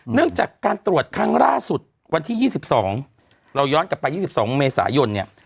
เนื่องจากการตรวจครั้งล่าสุดวันที่ยี่สิบสองเราย้อนกลับไปยี่สิบสองเมษายนเนี้ย